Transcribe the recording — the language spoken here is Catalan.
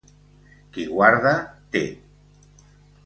Qui guarda té.